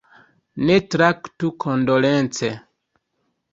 Ne traktu kondolence!